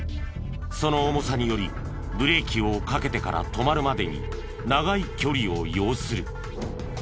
その重さによりブレーキをかけてから止まるまでに長い距離を要する。